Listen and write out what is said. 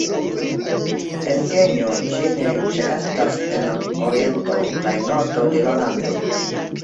En Kenjo ĝi ne ĉeestas en la oriento kaj nordo de la lando.